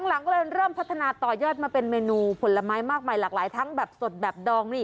หลังก็เลยเริ่มพัฒนาต่อยอดมาเป็นเมนูผลไม้มากมายหลากหลายทั้งแบบสดแบบดองนี่